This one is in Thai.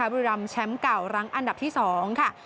บุรีรำแชมป์เก่ารังอันดับที่๒ค่ะ